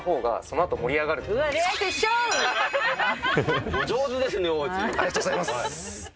ありがとうございます。